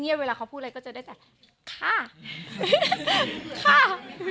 เงี้ยเวลาเขาพูดอะไรก็จะได้แบบข้าข้า